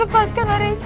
lepaskanlah rai kenta